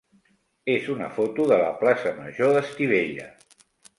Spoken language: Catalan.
és una foto de la plaça major d'Estivella.